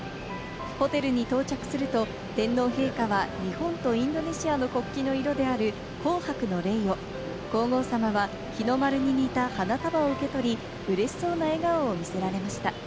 ホテルに到着すると、天皇陛下は日本とインドネシアの国旗の色である紅白のレイを、皇后さまは日の丸に似た花束を受け取り、うれしそうな笑顔を見せられました。